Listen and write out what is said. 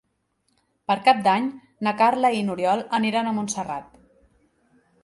Per Cap d'Any na Carla i n'Oriol aniran a Montserrat.